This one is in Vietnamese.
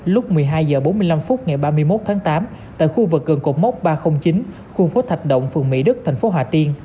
lúc một mươi hai h bốn mươi năm phút ngày ba mươi một tháng tám tại khu vực gần cột mốc ba trăm linh chín khu phố thạch động phường mỹ đức thành phố hà tiên